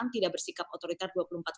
tidak bersikap otoritas dua puluh empat lima